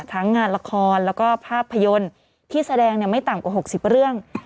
ทั้งงานละครแล้วก็ภาพยนตร์ที่แสดงไม่ต่ำกว่า๖๐เรื่อง